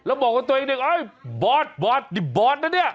แล้วบอกกับตัวเองเนี่ยบอสบอสบอสนะเนี่ย